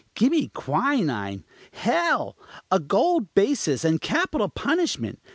Gimme quinine, hell, a gold basis, and capital punishment!